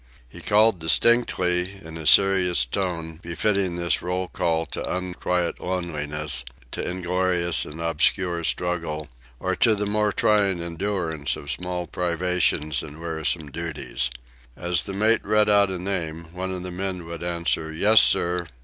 He called distinctly in a serious tone befitting this roll call to unquiet loneliness, to inglorious and obscure struggle, or to the more trying endurance of small privations and wearisome duties. As the chief mate read out a name, one of the men would answer: "Yes, sir!"